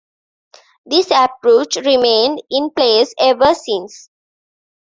This approach remained in place ever since.